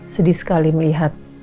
sedih sekali melihat